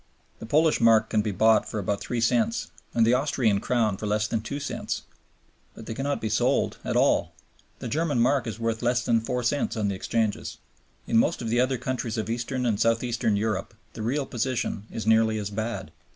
The Polish mark can be bought for about three cents and the Austrian crown for less than two cents, but they cannot be sold at all. The German mark is worth less than four cents on the exchanges. In most of the other countries of Eastern and South Eastern Europe the real position is nearly as bad.